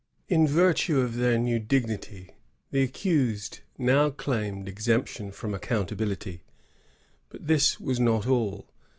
In virtue of their new dignity, the accused now claimed exemption from accountability ; but this was not all.